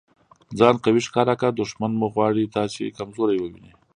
ځان قوي ښکاره که! دوښمن مو غواړي تاسي کمزوری وویني.